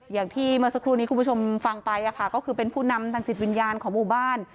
อย่างที่เมื่อสักครู่นี้คุณผู้ชมฟังไปก็คือเป็นผู้นำทางจิตวิญญาณของหมู่บ้าน